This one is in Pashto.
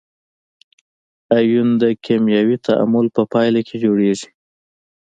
ایون د کیمیاوي تعامل په پایله کې جوړیږي.